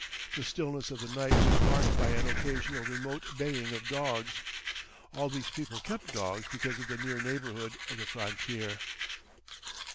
The stillness of the night was marked by an occasional remote baying of dogs; all these people kept dogs because of the near neighbourhood of the frontier.